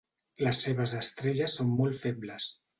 Les seves estrelles són molt febles.